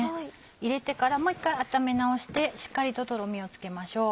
入れてからもう一回温め直してしっかりとトロミをつけましょう。